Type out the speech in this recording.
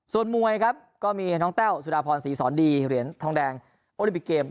ส่วนมวยครับก็มีน้องแต้วสุดาพรศรีสอนดีเหรียญทองแดงโอลิมปิกเกม